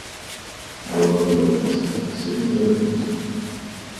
Была бы водица, а сено зародится.